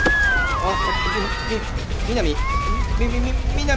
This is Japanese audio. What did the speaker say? あっ。